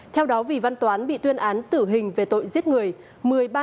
theo đó vì văn toán bị tuyên án tử hình về tội giết người